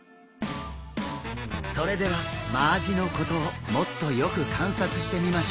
それではマアジのことをもっとよく観察してみましょう！